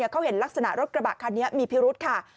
เขาเห็นลักษณะรถกระบะคันนี้มีพิรุธค่ะ